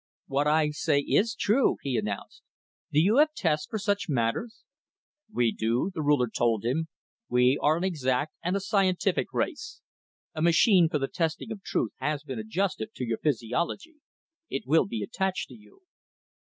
"What I say is true," he announced. "Do you have tests for such matters?" "We do," the Ruler told him. "We are an exact and a scientific race. A machine for the testing of truth has been adjusted to your physiology. It will be attached to you."